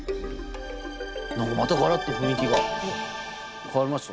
何かまたガラッと雰囲気が変わりました。